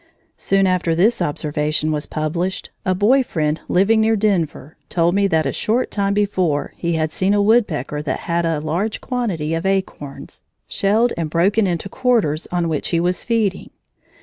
Soon after this observation was published, a boy friend living near Denver told me that a short time before he had seen a woodpecker that had a large quantity of acorns shelled and broken into quarters, on which he was feeding.